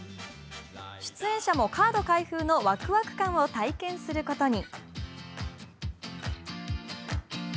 出演者もカード開封のわくわく感を体験することに。